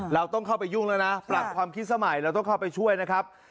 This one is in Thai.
เราต้องเข้าไปยุ่งแล้วนะปรับความคิดสมัยเราต้องเข้าไปช่วยนะครับ